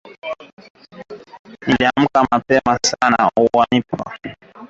Niliamka mapema sana Unaitwa nani?